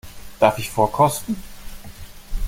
Darf ich vorkosten?